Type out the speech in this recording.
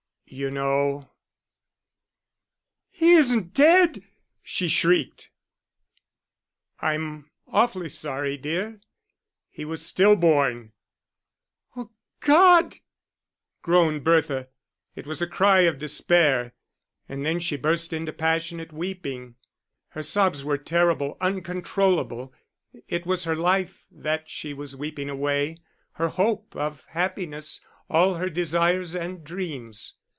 You know " "He isn't dead?" she shrieked. "I'm awfully sorry, dear.... He was still born." "Oh, God!" groaned Bertha, it was a cry of despair. And then she burst into passionate weeping. Her sobs were terrible, uncontrollable; it was her life that she was weeping away, her hope of happiness, all her desires and dreams.